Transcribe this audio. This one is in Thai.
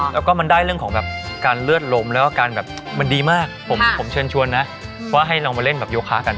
แล้วก็มันได้เรื่องของแบบการเลือดลมแล้วก็การแบบมันดีมากผมเชิญชวนนะว่าให้ลองมาเล่นแบบโยคะกัน